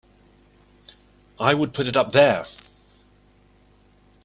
I would put it up there!